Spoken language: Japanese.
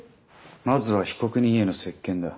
まずは被告人への接見だ。